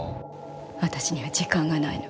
私には時間がないの。